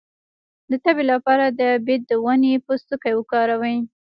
د تبې لپاره د بید د ونې پوستکی وکاروئ